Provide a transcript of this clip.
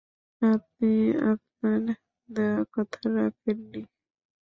আপনি আপনার দেওয়া কথা রাখেননি!